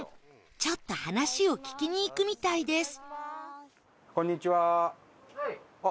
ちょっと話を聞きに行くみたいです